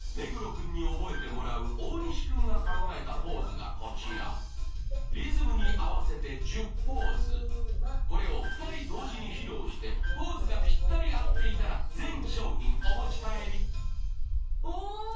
君に覚えてもらう大西君が考えたポーズがこちらリズムに合わせて１０ポーズこれを２人同時に披露してポーズがぴったり合っていたら全商品お持ち帰りおおっ！